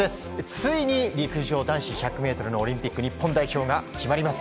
ついに陸上男子１００ｍのオリンピック日本代表が決まります。